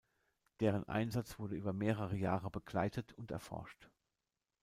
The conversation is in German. Deren Einsatz wurde über mehrere Jahre begleitet und erforscht.